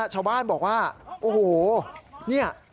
ชาวบ้านบอกว่า